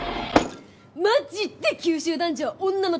マジで九州男児は女の敵です敵！